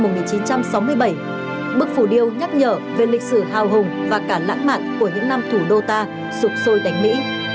bức phủ điêu nhắc nhở về lịch sử hào hùng và cả lãng mạn của những năm thủ đô ta sụp sôi đánh mỹ